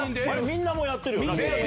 みんなもうやってるよな。